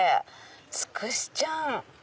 つくしちゃん。